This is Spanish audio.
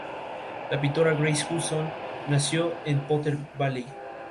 La pintora Grace Hudson nació en Potter Valley.